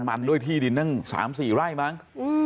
มันด้วยที่ดินตั้ง๓๔ไร่มั้ง